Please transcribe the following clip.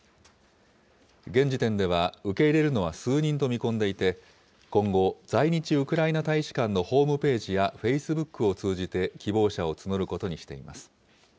現時点では、受け入れるのは数人と見込んでいて、今後、在日ウクライナ大使館のホームページやフェイスブックを通じて、希望者を募ることにしています。